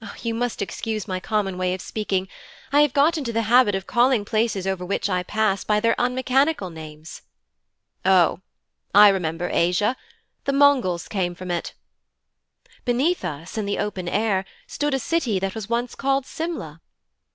'You must excuse my common way of speaking. I have got into the habit of calling places over which I pass by their unmechanical names.' 'Oh, I remember Asia. The Mongols came from it.' 'Beneath us, in the open air, stood a city that was once called Simla.'